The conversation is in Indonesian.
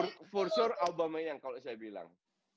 tentu saja aubameyang kalau saya bilang